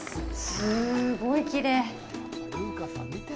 すごいきれい。